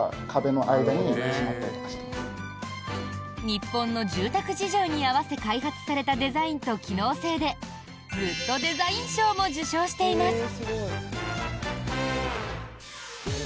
日本の住宅事情に合わせ開発されたデザインと機能性でグッドデザイン賞も受賞しています。